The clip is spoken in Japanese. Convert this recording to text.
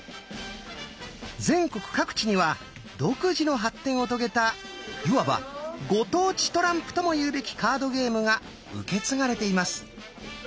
全国各地には独自の発展を遂げたいわば「ご当地トランプ」とも言うべきカードゲームが受け継がれています。